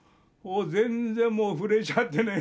全然もう震えちゃってね。